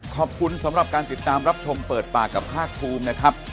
ขอบคุณสำหรับการติดตามรับชมเปิดปากกับภาคภูมินะครับ